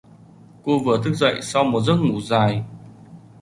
Cô vừa thức dậy sau một giấc ngủ dài